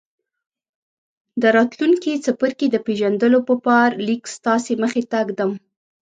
د راتلونکي څپرکي د پېژندلو په پار ليک ستاسې مخې ته ږدم.